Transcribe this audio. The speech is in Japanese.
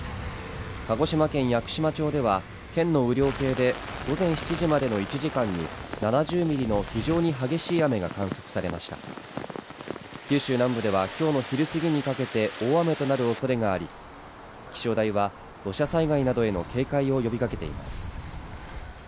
鹿児島県屋久島町では県の雨量計で午前７時までの１時間に７０ミリの非常に激しい雨が観測されました九州南部ではきょうの昼過ぎにかけて大雨となるおそれがあり気象台は土砂災害などへの警戒を呼びかけています